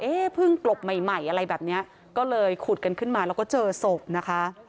เพิ่งกลบใหม่ใหม่อะไรแบบเนี้ยก็เลยขุดกันขึ้นมาแล้วก็เจอศพนะคะ